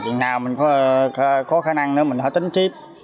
chừng nào mình có khả năng nữa mình hãy tính tiếp